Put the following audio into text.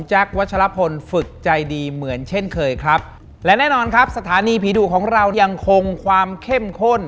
วัชลพลฝึกใจดีเหมือนเช่นเคยครับและแน่นอนครับสถานีผีดุของเรายังคงความเข้มข้น